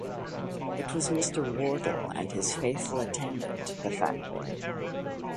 It was Mr. Wardle, and his faithful attendant, the fat boy.